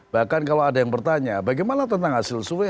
bahkan kalau ada yang bertanya bagaimana tentang hasil survei